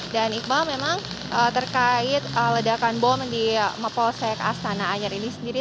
dan iqbal memang terkait ledakan bom di mapolsek astana anyar ini sendiri